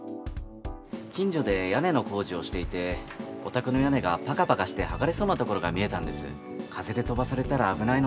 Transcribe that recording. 近所で屋根の工事をしていてお宅の屋根がパカパカして剥がれそうなところが見えたんです。